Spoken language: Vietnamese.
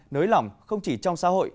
nới lỏng không chỉ trong xã hội